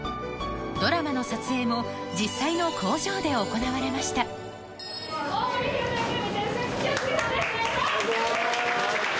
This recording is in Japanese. ドラマの撮影も実際の工場で行われましたお願いします。